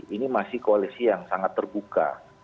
ini masih koalisi yang sangat terbuka